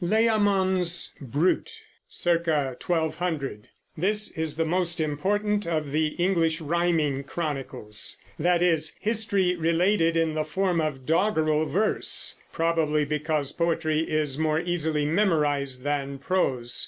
LAYAMON'S BRUT (c. 1200). This is the most important of the English riming chronicles, that is, history related in the form of doggerel verse, probably because poetry is more easily memorized than prose.